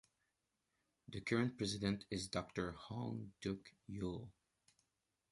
The current president is Doctor Hong Duk Yul.